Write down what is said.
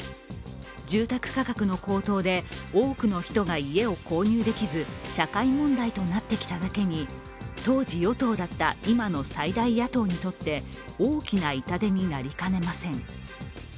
住宅価格の高騰で多くの人が家を購入できず、社会問題となってきただけに当時与党だった今の最大野党にとって大きな痛手になりかねません。